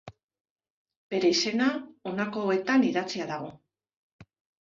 Bere izena, honako hauetan idatzia dago.